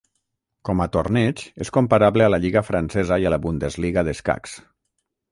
Com a torneig, és comparable a la lliga francesa i a la Bundesliga d'escacs.